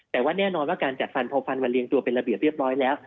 แต่ว่าแน่นอนว่าการจัดฟันพอฟันมาเรียงตัวเป็นระเบียบเรียบร้อยแล้ว